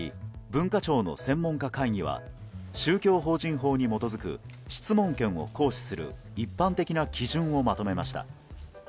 文化庁の専門家会議は宗教法人法に基づく質問権を行使する一般的な基準をまとめました。